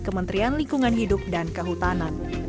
kementerian lingkungan hidup dan kehutanan